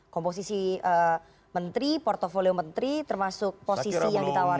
komposisi menteri portfolio menteri termasuk posisi yang ditawarkan